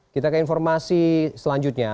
kita ke informasi selanjutnya